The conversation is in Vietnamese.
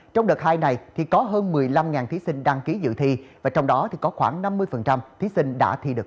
trong đợt hai này có hơn một mươi năm thí sinh đăng ký dự thi và trong đó có khoảng năm mươi thí sinh đã thi được